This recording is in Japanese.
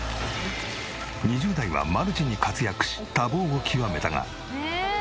２０代はマルチに活躍し多忙を極めたが。